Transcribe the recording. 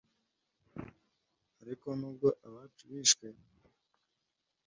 ariko nubwo abacu bishwe